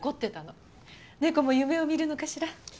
猫も夢を見るのかしら。